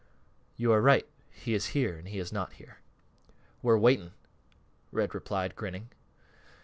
"You are right he is here, and he is not here." "We're waiting," Red replied, grinning.